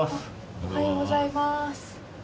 おはようございます。